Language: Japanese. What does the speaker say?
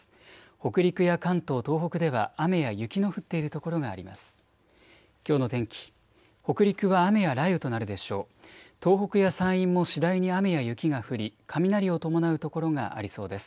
北陸や関東、東北では雨や雪の降っている所があります。